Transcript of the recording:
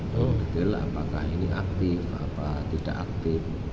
belum detail apakah ini aktif atau tidak aktif